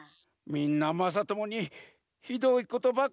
みんなまさともにひどいことばっかりしてたざんす。